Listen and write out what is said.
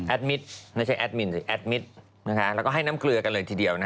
มิตรไม่ใช่แอดมินหรือแอดมิตรแล้วก็ให้น้ำเกลือกันเลยทีเดียว